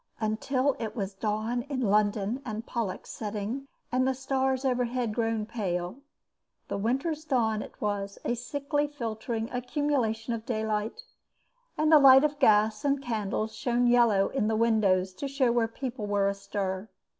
Until it was dawn in London and Pollux setting and the stars overhead grown pale. The Winter's dawn it was, a sickly filtering accumulation of daylight, and the light of gas and candles shone yellow in the windows to show where people were astir.